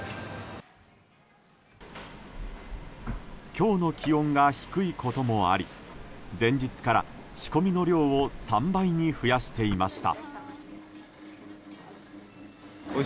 今日の気温が低いこともあり前日から仕込みの量を３倍に増やしていました。